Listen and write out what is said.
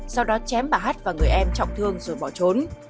sau đó chém bà hát và người em trọng thương rồi bỏ trốn